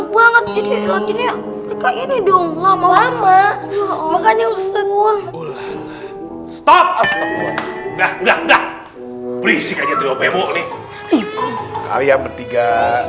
banget jadi ini dong makanya stop stop berisik aja terlalu bebek kalian bertiga